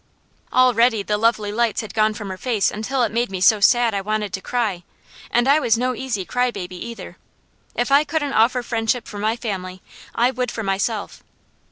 Already the lovely lights had gone from her face until it made me so sad I wanted to cry, and I was no easy cry baby either. If I couldn't offer friendship for my family I would for myself.